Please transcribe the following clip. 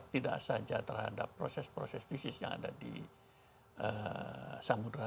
tidak saja terhadap proses proses fisis yang ada di samudera